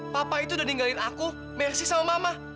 papa itu udah ninggalin aku mersi sama mama